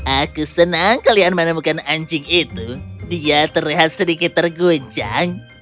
aku senang kalian menemukan anjing itu dia terlihat sedikit terguncang